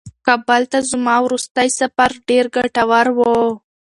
کابل ته زما وروستی سفر ډېر ګټور و.